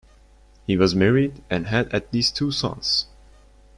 He was married and had at least two sons.